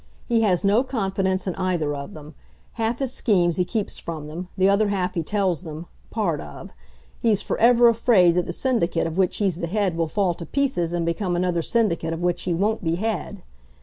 He has no confidence in either of them. Half his schemes he keeps from them; the other half he tells them part of. He's for ever afraid that the Syndicate of which he's the head will fall to pieces and become another Syndicate of which he won't be head.